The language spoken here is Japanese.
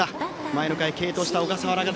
前の回、継投した五十嵐